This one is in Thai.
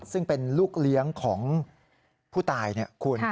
ซึ่งเป็นลูกเลี้ยงของผู้ตายเนี่ยคุณ